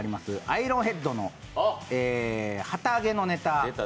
アイロンヘッドの「旗揚げ」のネタ。